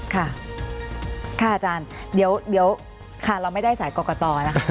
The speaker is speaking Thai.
ค่ะค่ะอาจารย์เดี๋ยวค่ะเราไม่ได้สายกรกตนะคะ